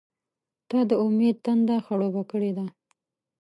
• ته د امید تنده خړوبه کړې ده.